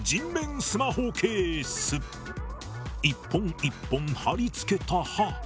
一本一本貼り付けた歯。